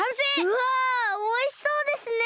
うわおいしそうですね。